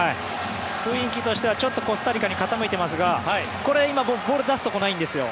雰囲気としてはちょっとコスタリカに傾いていますがこれ今、ボールを出すところがないんですよ。